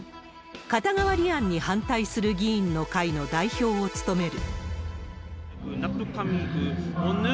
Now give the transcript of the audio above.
肩代わり案に反対する議員の会の代表を務める。